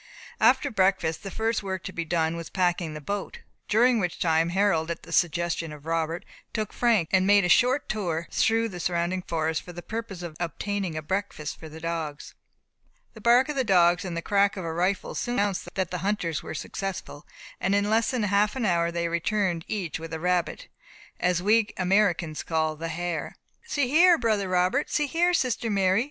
After breakfast the first work to be done was packing the boat, during which time Harold, at the suggestion of Robert, took Frank, and made a short tour through the surrounding forest, for the purpose of obtaining a breakfast for the dogs. The bark of the dogs and crack of a rifle soon announced that the hunters were successful, and in less than half an hour they returned each with a rabbit, as we Americans call the hare. "See here, brother Robert! See here, sister Mary!"